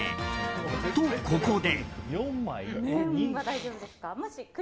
と、ここで。